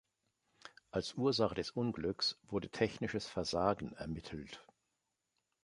Als Ursache des Unglücks wurde technisches Versagen ermittelt.